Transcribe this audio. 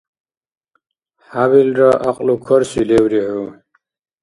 ХӀябилра гӀякьлукарси леври хӀу.